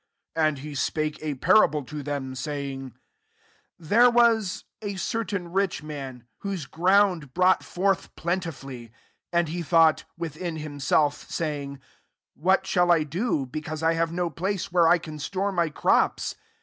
16 And he spake a parable to them, saying, *• There was a certain rich man, whose ground brought forth 132 LUKE XII. plentifully : 1 7 and he thought , withiii himself) saying, ' What shftif I do, because I have no place where I can store my crops?'